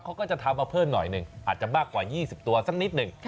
เขาก็จะทำมาเพิ่มหน่อยหนึ่งอาจจะมากกว่า๒๐ตัวสักนิดหนึ่ง